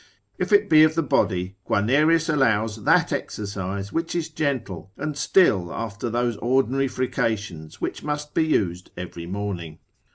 If it be of the body, Guianerius allows that exercise which is gentle, and still after those ordinary frications which must be used every morning.